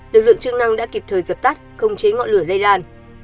lực lượng chức năng đã kịp thời dập tắt không chế ngọn lửa lây lan